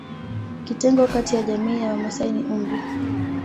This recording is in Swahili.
Kitengo kati ya jamii ya Wamasai ni umri